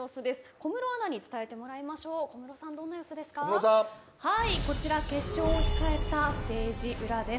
小室アナに伝えてもらいましょうこちら決勝を控えたステージ裏です。